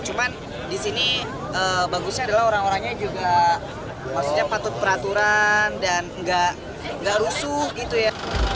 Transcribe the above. cuman di sini bagusnya adalah orang orangnya juga maksudnya patut peraturan dan nggak rusuh gitu ya